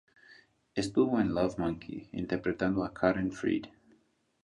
Estuvo en "Love Monkey", interpretando a Karen Freed.